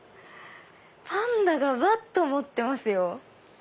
パンダがバットを持ってますよ。